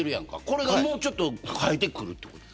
それがもうちょっと生えてくるってこと。